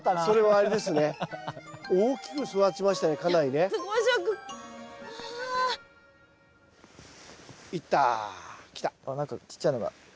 あっ何かちっちゃいのが。